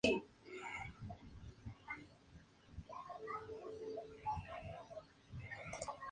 Le pillaron "in fraganti", con las manos en la masa